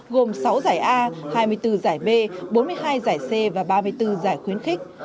gồm sáu giải a hai mươi bốn giải b bốn mươi hai giải c và ba mươi bốn giải khuyến khích